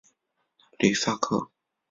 吕萨克。